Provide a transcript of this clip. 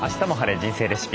人生レシピ」。